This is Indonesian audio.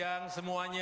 selamat siang semuanya